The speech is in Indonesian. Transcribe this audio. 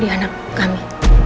dia anak kami